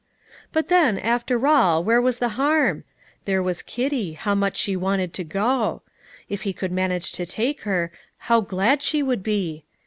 But then, after all, where was the harm? There was Kitty, how much she wanted to go; if he could manage to take her, how glad she would be!